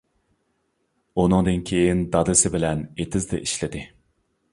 ئۇنىڭدىن كېيىن دادىسى بىلەن ئېتىزدا ئىشلىدى.